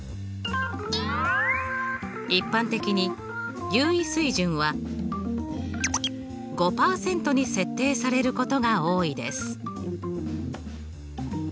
一般的に有意水準は５％に設定されることが多いです。